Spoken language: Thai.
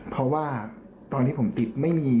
เพราะว่าตอนที่ผมติดไม่มี